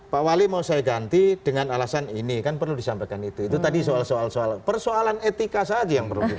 pak wali mau saya ganti dengan alasan ini kan perlu disampaikan itu itu tadi soal soal persoalan etika saja yang perlu di